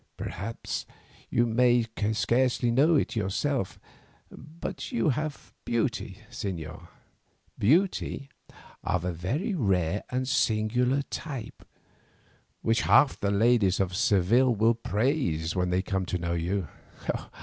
Perhaps you may scarcely know it yourself, but you have beauty, señor, beauty of a very rare and singular type, which half the ladies of Seville will praise when they come to know you."